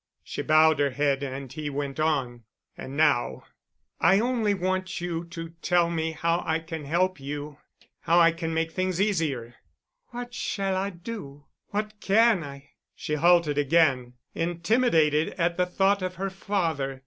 She bowed her head and he went on. "And now I only want you to tell me how I can help you—how I can make things easier——" "What shall I do? What can I——" She halted again, intimidated at the thought of her father.